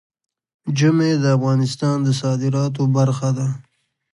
ژمی د افغانستان د صادراتو برخه ده.